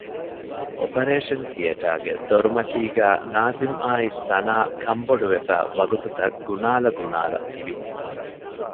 އޮޕަރޭޝަން ތިއޭޓަރގެ ދޮރުމަތީގައި ނާޒިމްއާއި ސަނާ ކަންބޮޑުވެފައި ވަގުތުތައް ގުނާލަ ގުނާލާ ތިވި